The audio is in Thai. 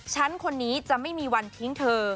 ฉันคนนี้จะไม่มีวันทิ้งเธอ